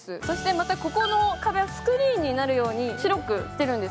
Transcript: また、ここの壁はスクリーンになるように白くしているんです。